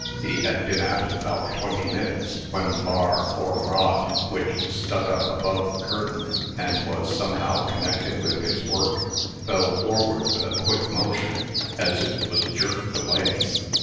He had been at it about twenty minutes, when a bar, or rod, which stuck up above the curtain, and was somehow connected with his work, fell forward with a quick motion, as if it was jerked away.